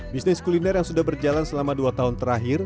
bisnis kuliner yang sudah berjalan selama dua tahun terakhir